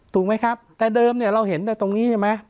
ถูกไหมครับแต่เดิมเนี่ยเราเห็นแต่ตรงนี้ใช่ไหม